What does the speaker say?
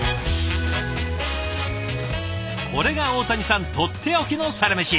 これが大谷さんとっておきのサラメシ。